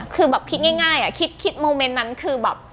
คือคิดง่ายคิดโมเมนต์นั้นคือ